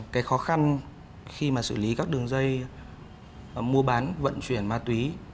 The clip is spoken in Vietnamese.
cái khó khăn khi mà xử lý các đường dây mua bán vận chuyển ma túy